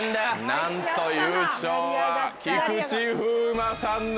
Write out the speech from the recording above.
なんと優勝は菊池風磨さんです。